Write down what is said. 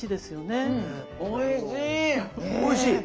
おいしい！